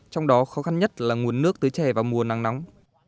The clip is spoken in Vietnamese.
trong đó khó khăn nhất là nguồn nước tới trè vào mùa nắng nóng